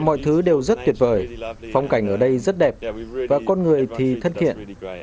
mọi thứ đều rất tuyệt vời phong cảnh ở đây rất đẹp và con người thì thân thiện